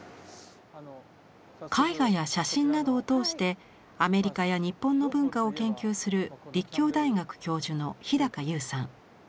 絵画や写真などを通してアメリカや日本の文化を研究する立教大学教授の日高優さん。